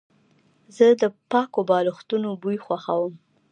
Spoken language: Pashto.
زه د پاکو بالښتونو بوی خوښوم.